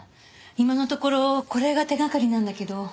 今のところこれが手掛かりなんだけど。